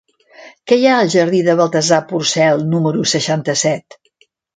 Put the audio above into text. Què hi ha al jardí de Baltasar Porcel número seixanta-set?